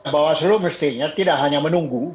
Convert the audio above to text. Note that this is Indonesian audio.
bawaslu mestinya tidak hanya menunggu